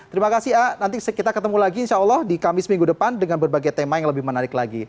terima kasih a nanti kita ketemu lagi insya allah di kamis minggu depan dengan berbagai tema yang lebih menarik lagi